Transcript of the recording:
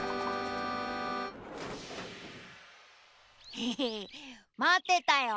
エヘヘまってたよ。